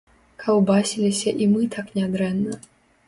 Каўбасіліся і мы так нядрэнна!